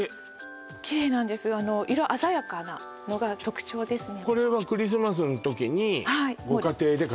きれいなんです色鮮やかなのが特徴ですね